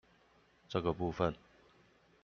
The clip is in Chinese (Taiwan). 這個部分